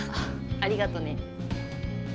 ありがとね。